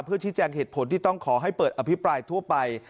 ชี้แจงเหตุผลที่ต้องขอให้เปิดอภิปรายทั่วไป